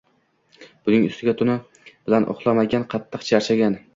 Buning ustiga tuni bilan uxlamagan, qattiq charchagan